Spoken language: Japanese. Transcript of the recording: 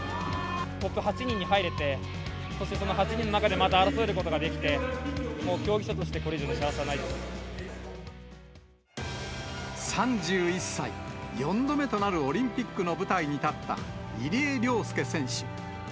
トップ８人に入れて、そしてその８人の中で争えることができて、もう競技者として、３１歳、４度目となるオリンピックの舞台に立った入江陵介選手。